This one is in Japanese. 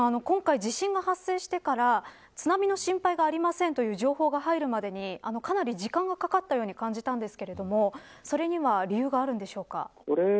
今回、地震が発生してから津波の心配がありませんという情報が入るまでにかなり時間がかかったように感じたのですけれどもそれには理由があるんでしょうか。